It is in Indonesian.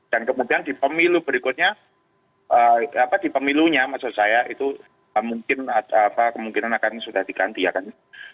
dan kemudian di pemilu berikutnya di pemilunya maksud saya itu mungkin kemungkinan akan sudah diganti ya kan